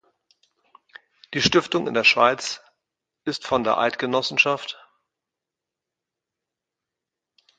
Die Stiftung in der Schweiz ist von der Eidg.